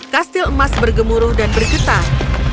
kastil emas bergemuruh dan bergetar